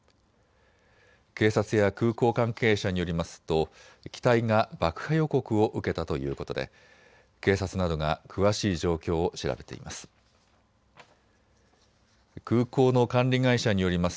警察や空港関係者によりますと機体が爆破予告を受けたということで警察などが詳しい状況を調べています。